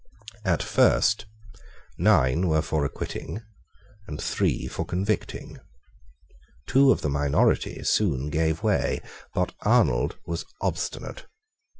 At first nine were for acquitting and three for convicting. Two of the minority soon gave way; but Arnold was obstinate.